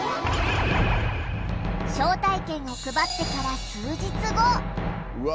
招待券を配ってから数日後うわ